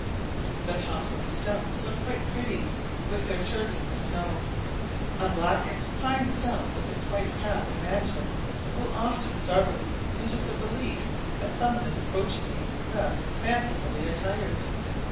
The tops of the stumps look quite pretty, with their turbans of snow; a blackened pine stump, with its white cap and mantle, will often startle you into the belief that some one is approaching you thus fancifully attired.